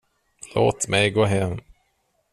Låt mig gå hem.